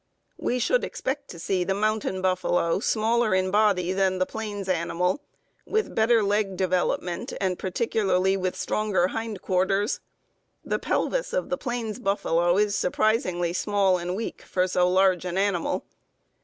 We should expect to see the mountain buffalo smaller in body than the plains animal, with better leg development, and particularly with stronger hind quarters. The pelvis of the plains buffalo is surprisingly small and weak for so large an animal.